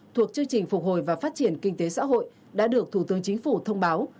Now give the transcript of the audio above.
thuộc chương trình phục hồi và phát triển kinh tế xã hội đã được thủ tướng chính phủ thông báo